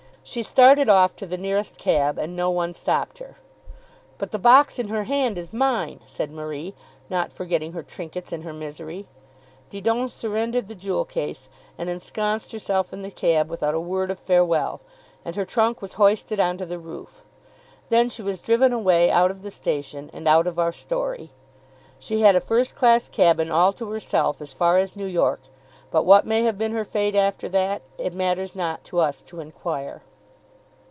She started off to the nearest cab, and no one stopped her. "But the box in her hand is mine," said Marie, not forgetting her trinkets in her misery. Didon surrendered the jewel case, and ensconced herself in the cab without a word of farewell; and her trunk was hoisted on to the roof. Then she was driven away out of the station, and out of our story. She had a first class cabin all to herself as far as New York, but what may have been her fate after that it matters not to us to enquire.